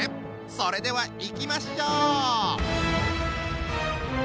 それではいきましょう！